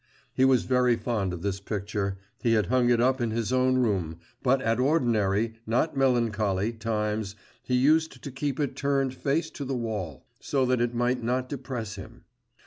He was very fond of this picture; he had hung it up in his own room, but at ordinary, not melancholy, times he used to keep it turned face to the wall, so that it might not depress him.